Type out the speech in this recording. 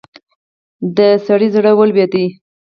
د سړي زړه ولوېد.